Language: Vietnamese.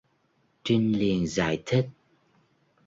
Trinh liền giải thích